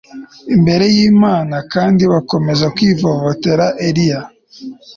imbere yImana kandi bakomeza kwivovotera Eliya